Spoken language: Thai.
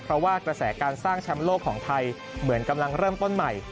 เพราะว่ากระแสการสร้างแชมป์โลกของไทยเหมือนกำลังเริ่มต้นใหม่